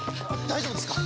大丈夫ですか？